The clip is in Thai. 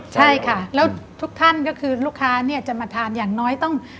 ใช่ค่ะแล้วทุกท่านก็คือลูกค้าเนี่ยจะมาทานอย่างน้อยต้อง